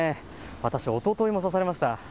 私、おとといも刺されました。